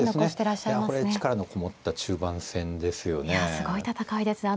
いやこれ力のこもった中盤戦ですよね。